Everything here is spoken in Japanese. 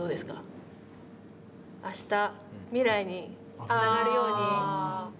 明日未来につながるように。